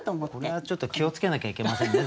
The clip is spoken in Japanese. これはちょっと気を付けなきゃいけませんね